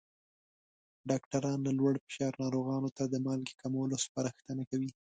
ډاکټران له لوړ فشار ناروغانو ته د مالګې کمولو سپارښتنه کوي.